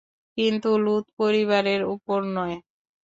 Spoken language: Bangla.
কিন্তু লূত পরিবারের উপর নয়।